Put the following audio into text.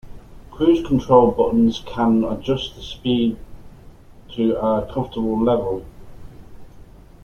Cruise control buttons can adjust the speed to a comfortable level.